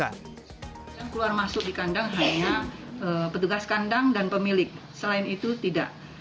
yang keluar masuk di kandang hanya petugas kandang dan pemilik selain itu tidak